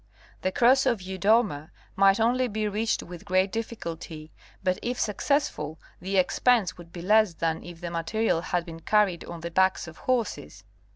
The Cross of Yudoma might only be reached with great difficulty, but if successful the expense would be less than if the material had been carried on the backs of horses.